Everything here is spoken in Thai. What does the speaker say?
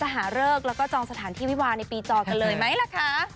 หาเลิกแล้วก็จองสถานที่วิวาในปีจอกันเลยไหมล่ะคะ